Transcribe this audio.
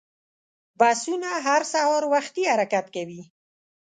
بسونه هر سهار وختي حرکت کوي.